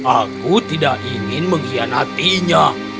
aku tidak ingin mengkhianatinya